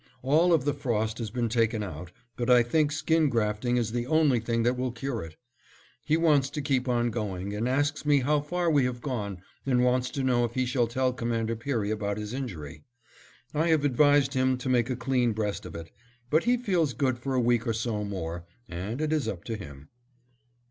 All of the frost has been taken out, but I think skin grafting is the only thing that will cure it. He wants to keep on going and asks me how far we have gone and wants to know if he shall tell Commander Peary about his injury. I have advised him to make a clean breast of it, but he feels good for a week or so more, and it is up to him.